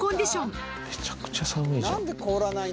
めちゃくちゃ寒いじゃん。